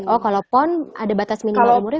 oh kalau pon ada batas minimal umurnya